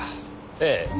ええ。